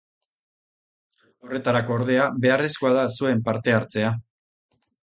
Horretarako, ordea, beharrezkoa da zuen parte-hartzea.